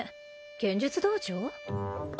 剣術道場？